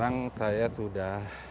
sekarang saya sudah